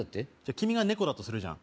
君が猫だとするじゃん